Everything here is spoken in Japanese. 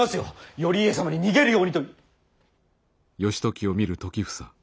頼家様に逃げるようにと。